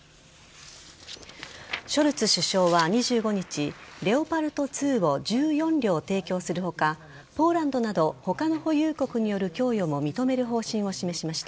ショルツ首相は２５日レオパルト２を１４両提供する他ポーランドなど他の保有国による供与も認める方針を示しました。